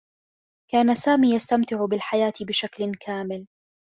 كان سامي يستمتع بالحياة بشكل كامل.